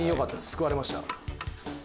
救われました。